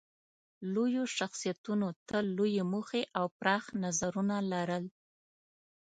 لویو شخصیتونو تل لویې موخې او پراخ نظرونه لرل.